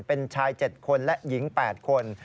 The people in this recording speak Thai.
เป็นชาย๗คนและหญิง๘คน